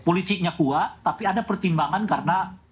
politiknya kuat tapi ada pertimbangan karena